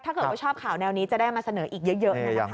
ถ้าเกิดชอบข่าวแนวนี้จะได้มาเสนออีกเยอะนะครับ